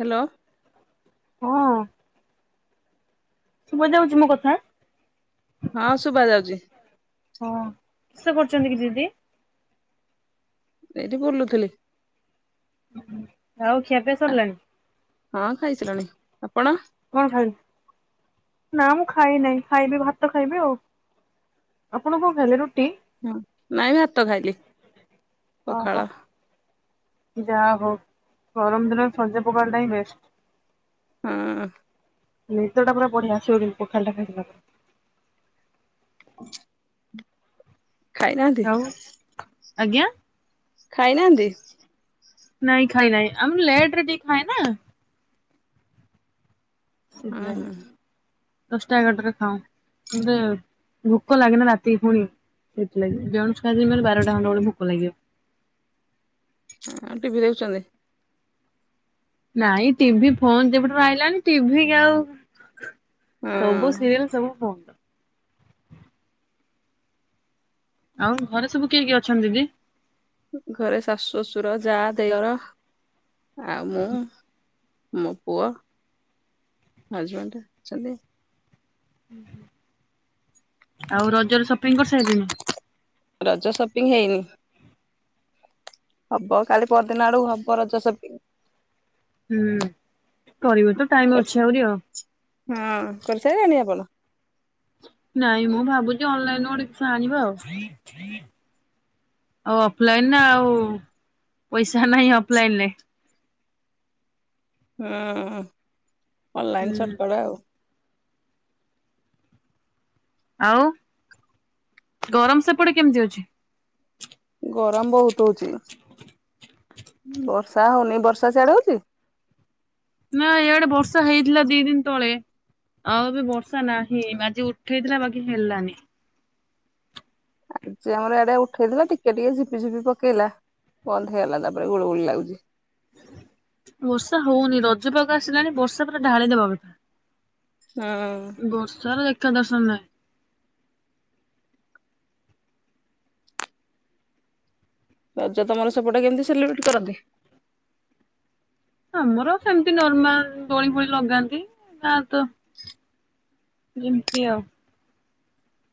Hello ହଁ ଶୁଭା ଯାଉଛି ମୋ କଥା? ହଁ ଶୁଭା ଯାଉଛି। ହଁ କିସ କରୁଛନ୍ତି କି ଦିଦି? ଏଇଠି ବୁଲୁଥିଲି। ଆଉ ଖିଆ ପିଆ ଆ, ସରିଲାଣି? ହଁ ଖାଇସାରିଲିଣି। ଆପଣ? କଣ ଖାଇଲୁ? ନା ମୁଁ ଖାଇ ନାଇଁ ଖାଇବି ଭାତ ଖାଇବି ଆଉ। ଆପଣ କଣ ଖାଇଲେ ରୁଟି? ହଁ ନାଇଁ ଭାତ ଖାଇଲି ଓହୋ ପଖାଳ ଯାହା ହଉ ଗରମ ଦିନରେ ସଜ ପଖାଳ ଟା ହିଁ ବେଷ୍ଟ। ହଁ। ନିଦଟା ପୁରା ବଢିଆ ଆସିଵ କିନ୍ତୁ ପଖାଳଟା ଖାଇସାରିଲା ପରେ। [inaudible] ଖାଇନାହାନ୍ତି ଆଉ ଆଜ୍ଞା। ଖାଇନାହାନ୍ତି? ନାଇଁ ଖାଇ ନାହିଁ ଆମେ ଲେଟ୍ ରେ ଟିକେ ଖାଏ ନା। ସେିଥି ହଁ ଲାଗି ହଁ ଦଶ ଟା ଏଗାର ଟାରେ ଖାଉ। ମୋତେ ଭୋକ ଲାଗେନି ରାତି କୁ ପୁଣି ସେଇଲଥିଲାାଗି [unintelligible] ବାରଟା ଖଣ୍ଡେ ବେଳକୁ ଭୋକ ଲାଗିବ। ଆଉ ଟିଭିି ଦେଖୁଛନ୍ତି? ନାଇଁ ଟିଭି ଫୋନ ଯେବେଠୁଁ ଆଇଲାଣି ଟିଭି କୁ ଆଉ ସବୁ ହଁ ସିରିଏଲ ସବୁ ଫୋନ ଆଉ ଘରେ ସବୁ କିଏ କିଏ ଅଛନ୍ତି ଦିଦି? ଘରେ ଶାଶୁ ଶଶୁର ଯା ଦିଅର ଆଉ ମୁଁ। ମୋ ପୁଅ ହଜବେଣ୍ଡ ଅଛନ୍ତି। ଆଉ ରଜରେ ସପିଙ୍ଗ କରିସାରିଲେଣି? ରଜ ସପିଙ୍ଗ ହେଇନି। ହବ କାଲି ପଦିନ ଆଡକୁ ହବ ରଜ ଶପିଙ୍ଗ। ହୁଁ କରିବ ତ ଟାଇମ ଅଛି ଆହୁରି ଆଉ। ହଁ କରିସାରିଲେଣି ଆପଣ? ନାଇଁ ମୁଁ ଭାବୁଛି ଅନଲାଇନ ଗୋଟେ କିସ ଆଣିବା ଆଉ ଆଉ ଅଫଲାଇନ ଆଉ ପଇସା ନାହିଁ ଅଫଲାଇନ ରେ ହୁଁ ଅନଲାଇନ ହୁଁ ସଟକଟ ଆଉ ଆଉ ଗରମ ସେପଟେ କେମିତି ଅଛି? ଗରମ ବହୁତ ହଉଛି ବର୍ଷା ହଉନି ବର୍ଷା ସିଆଡେ ହଉଛି। ନା ଇଆଡେ ବର୍ଷା ହେଇଥିଲା ଦି ଦିନ ତଳେ। ଆଉ ଏବେ ବର୍ଷା ନାହିଁ ଆଜି ଉଠେଇଥିଲା ବାକି ହେଲାନି। ଆମର ଏଡେ ଉଠେଇଥିଲା ଟିକେ ଟିକେ ଝିପି ଝିପି ପକେଇଲା ବନ୍ଦ ହେଇଗଲା ତାପରେ ଗୁଳୁ ଗୁଳି ଲାଗୁଛି। ବର୍ଷା ହଉନି ରଜପାଗ ଆସିଲାଣି ବର୍ଷା ପୁରା ଢାଳିଦବା କଥା ହଁ। ବର୍ଷାର ଦେଖା ଦର୍ଶନ ନାଁଇ। ରଜ ତମର ସେପଟେ କେମିତି ସେଲିବ୍ରେଟ କରନ୍ତି? ଆମର ସେମିତି ନର୍ମାଲ ଦୋଳି ଫୋଳି ଲଗାନ୍ତି ନା ତ ଯେମିତି ଆଉ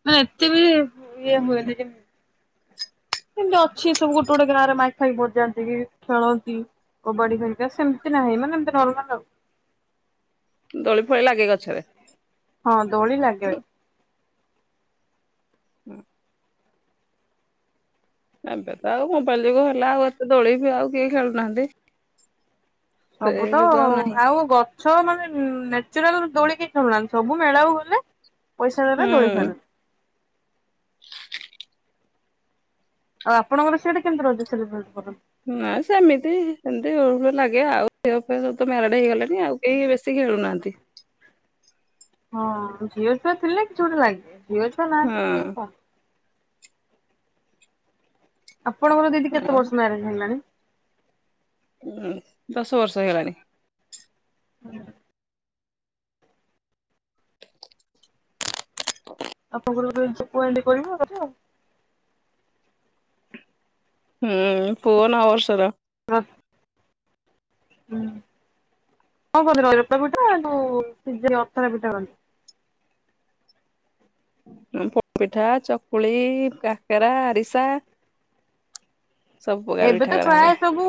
ମାନେ ଏତେ ବି ଇଏ ହୁଏନି ମ ସେମତି ଅଛି ସବୁ ଗୋଟେ ଗୋଟେ ଗାଁରେ ମାଇକ ଫାଇକ ବଜାନ୍ତି କି ଖେଳନ୍ତି। କବାଡି ଭାରିକା ସେମିତି ନାହିଁ ମାନେ ଏମତି ନର୍ମାଲ ଆଉ ଦୋଳି ଫୋଳି ଲାଗେ ଗଛରେ? ହଁ ଦୋଳି ଲାଗେ। ହୁଁ। ଏବେ ତ ଆଉ ମୋବାଇଲ ଯୁଗ ହେଲା ଆଉ ଏତେ ଦୋଳିିବି ଆଉ କିଏ ଖେଳୁନାହାନ୍ତି। ସେ ସବୁ ତ ଯୁଗ ନାହିଁ ଆଉ ଗ ଛ ମାନେ ନ୍ୟାଚୁରାଲ ଦୋଳିି କେହି ଖେଳୁନାହାନ୍ତି ସବୁ ମେଳାକୁ ଗଲେ ପଇସା ଦେଲେ ଦୋଳି ହୁଁ। ଖେଳିଲେ। ଆଉ ଆପଣଙ୍କର ସିଆଡେ କେମିତି ରଜ ସେଲିବ୍ରେଟ କରନ୍ତି? ନାଇଁ ସେମିତି ଏମିତି ହ ହୁଳ ଲାଗେ ଆଉ [unintelligible] ହେଇଗଲାଣି ଆଉ କେହି ବେଶୀ ଖେଳୁନାହାନ୍ତି। ହଁ ଝିଅ ଫିଅ ଥିଲେ କିଛି ଗୋଟେ ଲାଗିବ ଝିଅ ଛୁଆ ନାହାନ୍ତି ମାନେ ହଁ। ଆଉ କଣ? ଆପଣଙ୍କର ଦିଦି କେତେ ଆଉ ବର୍ଷ ମ୍ୟାରେଜ ହେଲାଣି? ହଁ ଦଶ ବର୍ଷ ହୋଇଗଲାଣି। ହୁଁ। ଆପଣଙ୍କର [unintelligible] କଥା ଆଉ ହୁଁ ପୁଅ ନଅବର୍ଷର। [unintelligible] ହୁଁ କଣ [unintelligible] କରନ୍ତି। ପୋଡ଼ ପିଠା, ଚକୁଳି, କାକରା, ଆରିସା। ସବୁ ପ୍ରକାର ଏବେ ପିଠା ତ କରାହୁଏ। ପ୍ରାୟ ସବୁ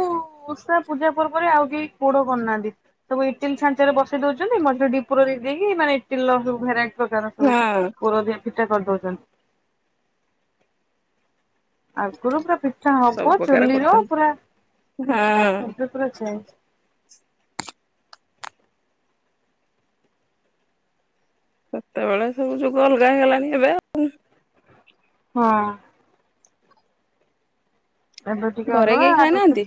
ଓଷା ପୂଜା ପର୍ବରେ ଆଉ କେହି ପୋଡ଼ କରୁନାହାନ୍ତି। ସବୁ ଇଟିଲ ଛାଞ୍ଚ ରେ ବସେଇ ଦଉଛନ୍ତି ମଝିରେ ଟିକେ ପୁର ଦେଇଦେଇକି ମାନେ ଇଟିଲ ର ସବୁ ଭେରାଇଟି ପ୍ରକାର ସବୁ ହଁ ପୁର ଦିଆ ପିଠା କରିଦଉଛନ୍ତି। ଆଗରୁ ପୁରା ପିଠା ସବୁ ହବ ପ୍ରକାର ଚୁଲିରେ କରୁଛନ୍ତି ପୁରା ହଁ ଏବେ ପୁରା ଚେଞ୍। ସେତେବେଳେ ସବୁ ଯୁଗ ଅଲଗା ହେଇଗଲାଣି ଏବେ ହଁ। ଏବେ ଟିକେ ଘରେ କେହି ଅଲଗା ଖାଇନାହାନ୍ତି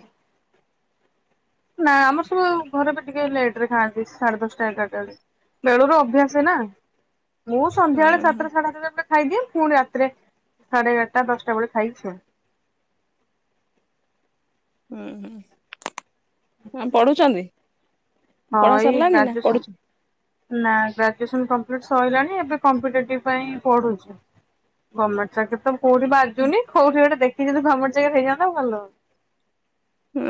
ନା ଆମର ସବୁ ଘରେ ବି ଟିକେ ଲେଟ ରେ ଖାଆନ୍ତି ସାଢେ ଦଶଟା ଏଗାରଟା ବେଳେ। ବେଳରୁ ଅଭ୍ୟାସ ନା। ମୁଁ ହଁ ସନ୍ଧ୍ୟାବେଳେ ସାତଟା ସାଢେ ସାତଟା ବେଳେ ଖାଇଦିଏ ପୁଣି ରାତିରେ ସାଢେ ଏଗାରଟା ଦଶଟା ବେଳେ ଖାଇକି ସୁଏ। ହୁଁ ହୁଁ ପଢୁଛନ୍ତି? ହଁ ପଢା ଏଇ ସରିଲାନି ନା ଗ୍ରାଜୁଏସନ ପଢୁଛ? ନା ଗ୍ରାଜୁଏସନ କମ୍ପ୍ଲିଟ ସରିଲାଣି ଏବେ କମ୍ପିଟେଟିଭ ପାଇଁ ପଢୁଛି। ଗମେଟ ଚାକିରୀ ତ କୋଉଠି ବାଜୁନି କୋଉଠି ଗୋଟେ ଦେଖିକି ଯଦି ଭଲ ଜାଗାରେ ହେଇଯାନ୍ତା ଭଲ ହୁଅନ୍ତା। ହୁଁ।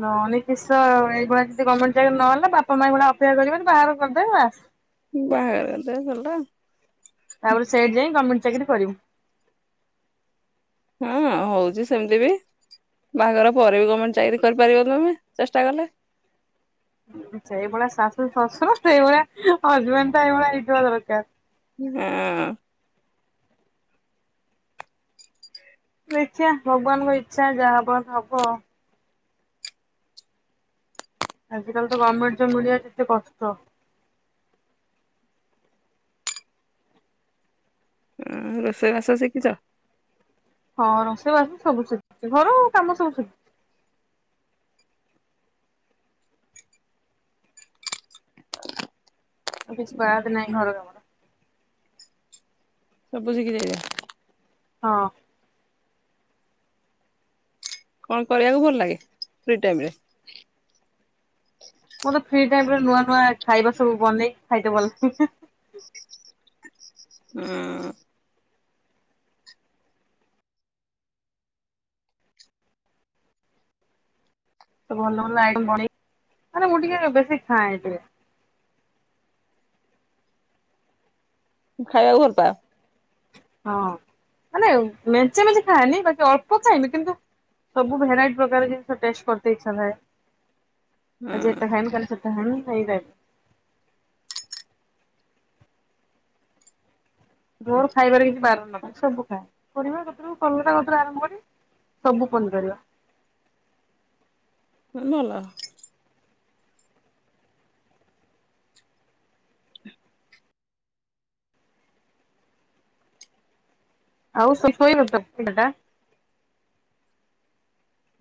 ନ ହେଲେ କିଷ ଏଇଭଳିଆ ଯଦି ଗଭର୍ଣ୍ଣମେଣ୍ଟ ଚାକିରୀ ନହେଲେ ବାପା ମା କଣ ଅପେକ୍ଷା କରିବେ ବାହାଘର କରିଦେବେ ବାସ। ବାହାଘର ହେଲେ ଗଲା। ତାପରେ ସେଇଠି ଯାଇକି ଗମେଣ୍ଟ ଚାକିରୀ କରିବୁ। ହଁ ହଉଛି ସେମିତି ବି। ବାହାଘର ପରେ ବି ଗମେଣ୍ଟ ଚାକିରି କରିପାରିବ ତମେ ଚେଷ୍ଟା କଲେ। ସେଇଭଳିଆ ଶାଶୁ ଶଶୁର ସେଇଭଳିଆ ହଜବେଣ୍ଡ ତ ଏଇଭଳିଆ ହେଇଥିବା ଦରକାର। ହୁଁ। ଦେଖିବା ଭଗବାନଙ୍କ ଇଚ୍ଛା ଯାହା ହବା କଥା ହବ। ଆଜି କାଲି ତ ଗମେଟ ଜବ ମିଳିବା କେତେ କଷ୍ଟ। ହଁ ରୋଷେଇବାସ ଶିଖିଛ? ହଁ ରୋଷେଇବାସ ସବୁ ଶିଖିଛି ଘର କାମ ସବୁ ଶିଖିଛି। ଆଉ କିଛି ବାଦ ନାହିଁ ଘର କାମ। ସବୁ ଶିଖି ଯାଇଛ। ହଁ। କଣ କରିବାକୁ ଭଲ ଲାଗେ ଫ୍ରି ଟାଇମ ରେ? ମତେ ଫ୍ରି ଟାଇମରେ ନୂଆ ନୂଆ ଖାଇବା ସବୁ ବନେଇ ଖାଇଦେ ଭଲ ଲାଗେ। ହୁଁ। ଭଲ ଭଲ ଆଇଟମ ବନେଇକି ମାନେ ମୁଁ ଟିକେ ବେଶୀ ଖାଏ ଟିକେ। ଖାଇବାକୁ ଭଲ ପାଅ? ହଁ ମାନେ ମେଞ୍ଚେ ମେଞ୍ଚେ ଖାଏନି ବାକି ଅଳ୍ପ ଖାଇମି କିନ୍ତୁ ସବୁ ଭେରାଇଟି ପ୍ରକାର ଜିନିଷ ଟେଷ୍ଟ କରିତେ ଇଛାଥାଏ। ଆଜି ଏତା ଖାଇମି କାଲି ସେତା ଖାଇମି ମୋର ଖାଇବାରେ କିଛି ବାରଣ ନଥାଏ ସବୁ କରିବା ସେଥିରୁ କଲରା କତିରୁ ଆରମ୍ଭ କରି ସବୁ ପନିପରିବା। ହୁଁ ଭଲ। ଆଉ [unintelligible]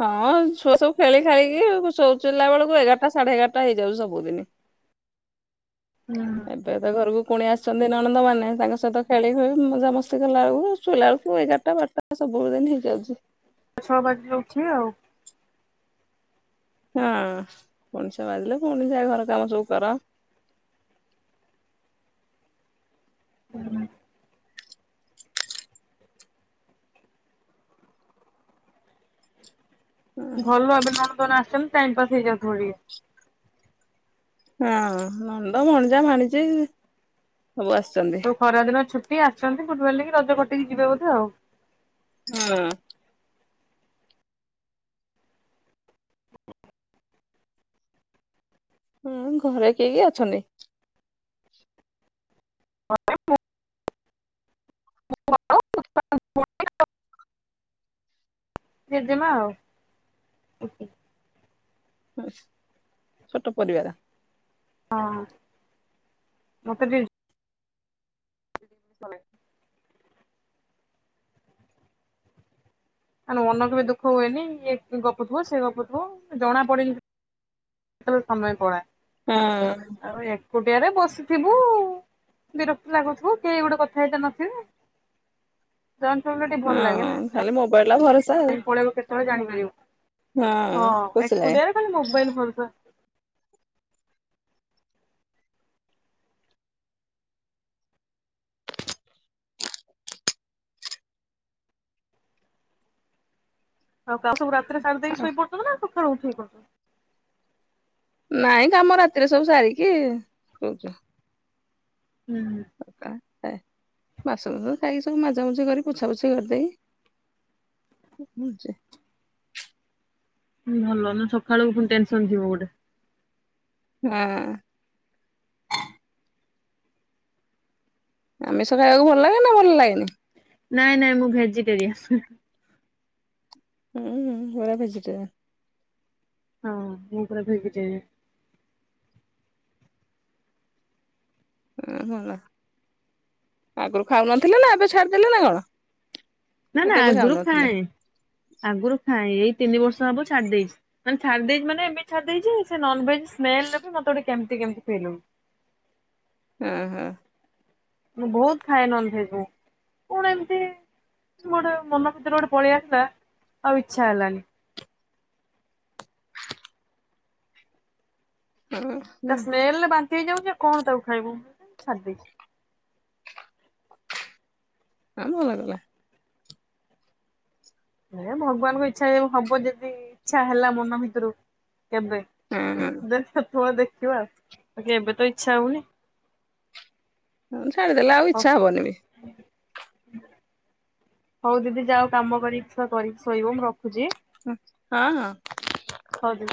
ହଁ ଛୁଆ ସବୁ ଖେଳି ଖାଳିକି ସୋଇଲା ବେଳକୁ ଏଗାରଟା ସାଢେ ଏଗାରଟା ହେଇଯାଉଛି ସବୁଦିନି। ହୁଁ। ଏବେ ତ ଘରକୁ କୁଣିଆ ଆସିଛନ୍ତି ନଣନ୍ଦ ମାନେ ତାଙ୍କ ସହିତ ଖେଳି ଖେଳି ମଜାମସ୍ତି କଲା ବେଳକୁ ଶୋଇଲା ବେଳକୁ ଏଗାର ବାରଟା। ସବୁବେଳେ ସେନ୍ତି ହେଇଯାଉଛି। ଛଅ ବାଜିଲେ ଉଠିବେ ଆଉ। ହଁ ପୁଣି ଛ ବାଜିଲେ ପୁଣି ଯା ଘର କାମ ସବୁ କର ଭଲ ଭାବେ ନଣନ୍ଦ ଆସିଛନ୍ତି ଟାଇମ ପାସ୍ ହେଇଯାଉଥିବ ଟିକେ ହଁ ନଣନ୍ଦ ଭଣଜା ଭାଣିଜି ସବୁ ଆସିଛନ୍ତି। ସବୁ ଖରା ଦିନ ଛୁଟି ଆସିଛନ୍ତି ଫୁଟ ବାରି ରଜ କଟିକି ଯିବେ ବୋଧେ ଆଉ। ହୁଁ ହୁଁ ଘରେ କିଏ କିଏ ଅଛନ୍ତି? [unintelligible] ଜେଜେମା ଆଉ ଛୋଟ ପରିବାର। ହଁ ମତେ ବି ତମେ ମାନେ ମନ କେବେ ଦୁଃଖ ହୁଏନି। ଇଏ ଗପୁଥିବ ସେ ଗପ ଥିବ ଜଣା ପଡେନି। କେତେବେଳେ ସମୟ ପଳାଏ। ହୁଁ। ଆଉ ଏକୁଟିଆରେ ବସିଥିବୁ। ବିରକ୍ତ୍ତି ଲାଗୁଥୁବ କେହି ଗୋଟେ କଥା ହେଇତ ନଥିବେ ଜଏଣ୍ଟ ଫ୍ୟାମିଲୀ ଟିକେ ଭଲ ଲାଗେ ନା? ହଁ ଖାଲି ମୋବାଇଲ ର ଭରଶା। ଲାଇନ୍ ପଳେଇବ କେତେବେଳେ ଜାଣିପାରିବ। ହଁ ଖୁସି ଲାଗେ। ଏକୁଟିଆରେ ଖାଲି ମୋବାଇଲ ପରୁଥା। ଆଉ କା ସବୁ ରାତିରେ ସାରି ଦେଇକି ଶୋଇ ପରୁଚ ନା ସକାଳୁ ଉଠେଇକି କରୁଚ? ନାଇଁ କାମ ରାତିରେ ସବୁ ସାରିକି ଶୋଉଚୁ। ହୁଁ। ଆ ଥାଏ। ବାସ ଫାସ ଖାଇକି ସବୁ ମଜାମୁଜି କରି ପୋଛାପୋଛା କରିଦେଇ ବୁଲଚେ। ହୁଁ। ଭଲ ନା। ସକାଳକୁ ପୁଣି ଟେନସନ ଥିବ ଗୋଟେ। ହଁ। ଆମିଷ ଖାଇବାକୁ ଭଲ ଲାଗେ ନା ଭଲ ଲାଗେନି? ନାଇଁ ନାଇଁ ମୁଁ ଭେଜିଟେରିଆନ୍। ହୁଁ ପୁରା ଭେଜଜିଟେରିୟନ। ହଁ ମୁଁ ପୁରା ଭେଜିଟେରିଆନ୍। ହେଁ ଭଲ। ଆଗରୁ ଖାଉନଥିଲେ ନା ଏବେ ଛାଡ଼ିଦେଲେ ନା କଣ? ନା ନା କେବେ ଆଗରୁ ଖାଉନଥିଲେ ଖାଏ। ଆଗରୁ ଖାଏ। ଏଇ ତିନି ବର୍ଷ ହବ ଛାଡି ଦେଇେଚି। ମାନେ ଛାଡି ଦେଇେଚି ମାନେ ଏବେ ଛାଡି ଦେଇଚି ସେ ନନଭେଜ ସ୍ମେଲରେ ବି ମତେ କେମିତି କେମିତି ଗୋଟେ ଫିଲ୍ ହଉଚି। ହୁଁ ହୁଁ। ମୁଁ ବହୁତ ଖାଏ ନନ୍ ଭେଜ୍ ମୁଁ। କଣ ଏମତି ମୋର ମନ ଭିତରେ ଗୋଟେ ପଳେଇ ଆସିଲା ଆଉ ଇଚ୍ଛା ହେଲାନି। ହୁଁ। ତା ସ୍ମେଲରେ ବାନ୍ତି ହେଇଯାଉଚି ଆ କଣ ତାକୁ ଖାଇବୁ ଛାଡି ଦେଇଚି। ହଁ ଭଲ କଲେ। ହେ ଭଗବାନଙ୍କ ଇଚ୍ଛା ହବ ଯଦି ଇଚ୍ଛା ହେଲା ମନ ଭିତରୁ କେବେ ହୁଁ। ଦେଖ ସେତେବେଳେ ଦେଖିବା। ବାକି ଏବେ ତ ଇଚ୍ଛା ହଉନି। ହୁଁ ଛାଡିଦେଲି ଆଉ ହଉ ଆଚ୍ଛା ହବନି ବି। ହଉ ଦିଦି ଯାଅ କାମ କରିକି ଛୁଆ କରିକି ଶୋଇବ ମୁଁ ରଖୁଚି। ହୁଁ, ହଁ ହଁ। ହଉ ଦି